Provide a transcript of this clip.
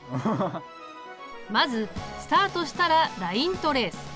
まずスタートしたらライントレース。